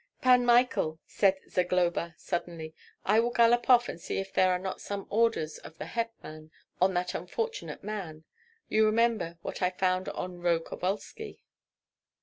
"Pan Michael," said Zagloba, suddenly, "I will gallop off and see if there are not some orders of the hetman on that unfortunate man. You remember what I found on Roh Kovalski."